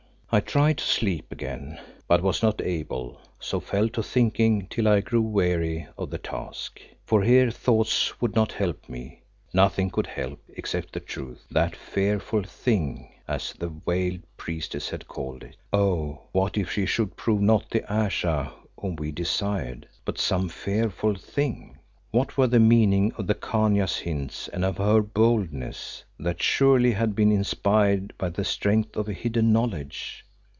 I tried to sleep again, but was not able, so fell to thinking till I grew weary of the task. For here thoughts would not help me; nothing could help, except the truth, "that fearful thing," as the veiled Priestess had called it. Oh! what if she should prove not the Ayesha whom we desired, but some "fearful thing"? What were the meaning of the Khania's hints and of her boldness, that surely had been inspired by the strength of a hidden knowledge?